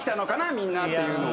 みんなっていうのは。